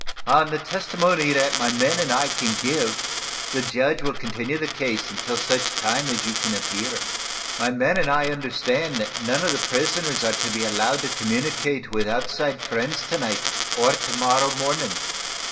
On the testimony that my men and I can give the judge will continue the case until such time as you can appear. My men already understand that none of the prisoners are to be allowed to communicate with outside friends to night or to morrow morning.